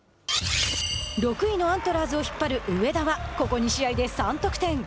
６位のアントラーズを引っ張る上田は、ここ２試合で３得点。